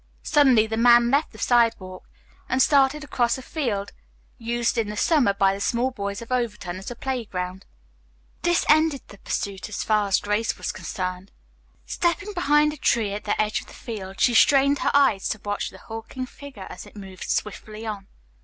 Suddenly the man left the sidewalk and started across a field used in the summer by the small boys of Overton as a playground. This ended the pursuit as far as Grace was concerned. Stepping behind a tree at the edge of the field she strained her eyes to watch the hulking figure as it moved swiftly on.